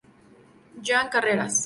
Joan Carreras